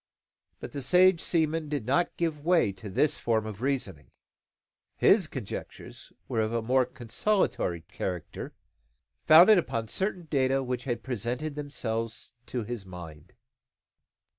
But the sage seaman did not give way to this form of reasoning. His conjectures were of a more consolatory character, founded upon certain data which had presented themselves to his mind.